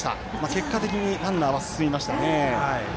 結果的にランナーは進みましたね。